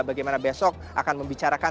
bagaimana besok akan membicarakan